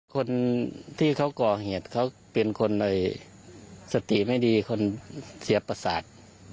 คนที่เขาก่อเหตุเขาเป็นคนสติไม่ดีคนเสียประสาท